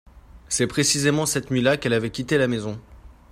c'est précisément cette nuit-là qu'elle avait quitté la maison.